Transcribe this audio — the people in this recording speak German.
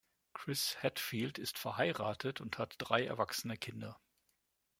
Chris Hadfield ist verheiratet und hat drei erwachsene Kinder.